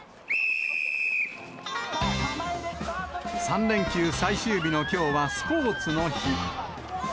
３連休最終日のきょうは、スポーツの日。